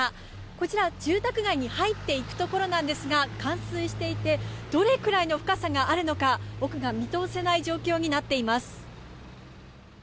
こちら住宅街に入っていくところなんですが冠水していてどれくらいの深さがあるのか奥が見通せない状況になっています。